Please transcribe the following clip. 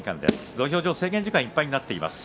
土俵上制限時間いっぱいになっています。